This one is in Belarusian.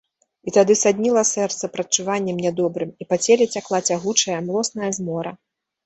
І тады садніла сэрца прадчуваннем нядобрым, і па целе цякла цягучая, млосная змора.